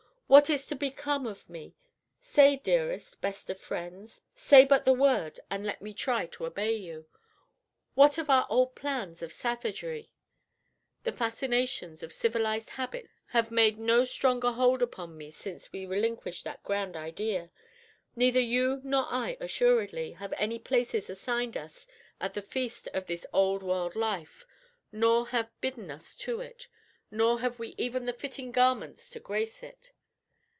What is to become of me? Say, dearest, best of friends, say but the word, and let me try to obey you. What of our old plans of 'savagery'? The fascinations of civilized habits have made no stronger hold upon me since we relinquished that grand idea. Neither you nor I assuredly have any places assigned us at the feast of this old world life; none have bidden us to it, nor have we even the fitting garments to grace it!